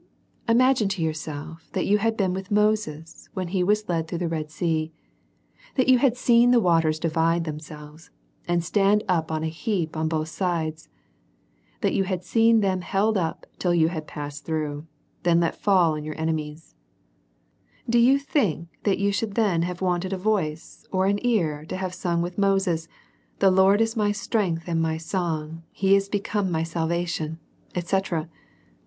Imagine to yourself that you had been with Moses when he was led through the Red sea, that you had seen the waters divide themselves, and stand on a heap on both sides, that you had seen them held up till you had passed through, then let fall upon your enemies ; do you think that you should then have wanted a voice or an ear to have sung with Moses, The Lord is my strength and my song, and he is become my salva tion, ^c.